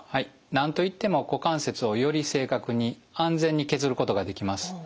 何と言っても股関節をより正確に安全に削ることができます。